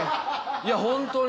いやホントに。